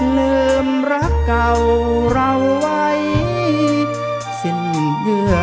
ลืมรักเก่าเราไว้สินเยื่อใยลืมหลง